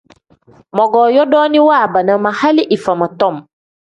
Mogoo yodooni waabana ma hali ifama tom.